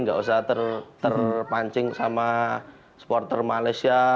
nggak usah terpancing sama supporter malaysia